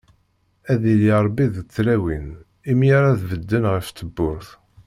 Ad yili Ṛebbi d tlawin, i mi ara d-bedden ɣef tewwurt.